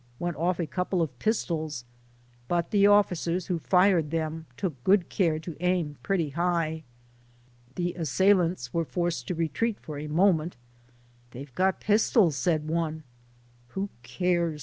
went off a couple of pistols, but the officers who fired them took good care to aim pretty high. The assailants were forced to retreat for a moment. " They 've got pistols," said one. " Who cares ?